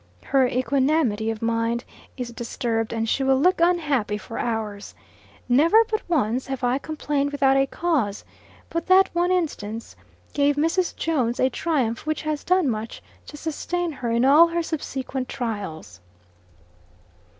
Her equanimity of mind is disturbed, and she will look unhappy for hours. Never but once have I complained without a cause. But that one instance gave Mrs. Jones a triumph which has done much to sustain her in all her subsequent trials.